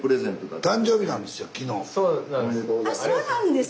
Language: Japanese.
そうなんです。